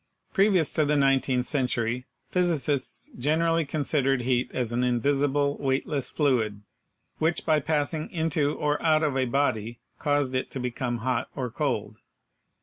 Previous to the nineteenth century physicists generally considered heat as an invisible weightless fluid, which by passing into or out of a body caused it to become hot or cold.